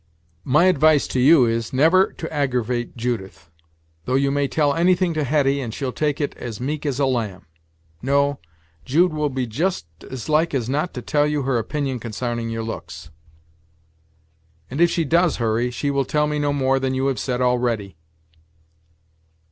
My advice to you is, never to aggravate Judith; though you may tell anything to Hetty, and she'll take it as meek as a lamb. No, Jude will be just as like as not to tell you her opinion consarning your looks." "And if she does, Hurry, she will tell me no more than you have said already."